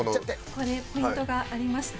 これポイントがありまして。